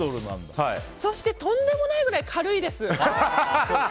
そして、とんでもないくらい軽いです。